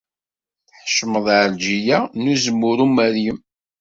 Tḥemceḍ Ɛelǧiya n Uzemmur Umeryem.